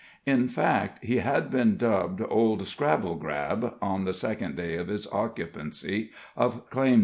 In fact, he had been dubbed "Old Scrabblegrab" on the second day of his occupancy of Claim No.